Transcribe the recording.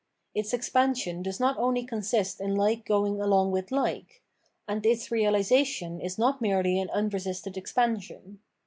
Its expansion does not only consist in like going along with like ; and its reahsation is not merely an unresisted expansion.